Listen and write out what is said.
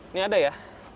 ini ada ya